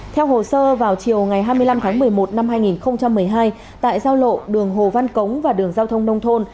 theo hồ sơ vào chiều ngày hai mươi năm tháng một mươi một năm hai nghìn một mươi hai tại giao lộ đường hồ văn cống và đường giao thông nông thôn